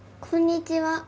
こんにちは。